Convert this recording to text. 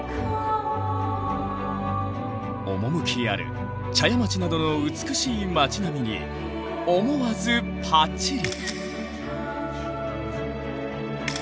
趣ある茶屋町などの美しい町並みに思わずパチリ！